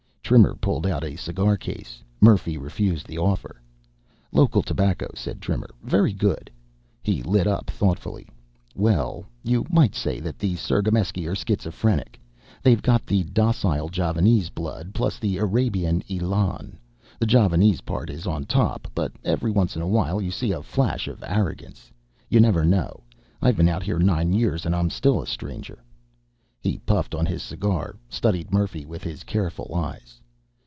Trimmer pulled out a cigar case. Murphy refused the offer. "Local tobacco," said Trimmer. "Very good." He lit up thoughtfully. "Well, you might say that the Cirgameski are schizophrenic. They've got the docile Javanese blood, plus the Arabian élan. The Javanese part is on top, but every once in a while you see a flash of arrogance.... You never know. I've been out here nine years and I'm still a stranger." He puffed on his cigar, studied Murphy with his careful eyes.